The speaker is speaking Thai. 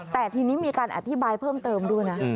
แต่ทีนี้มีการอธิบายเพิ่มเติมด้วยนะ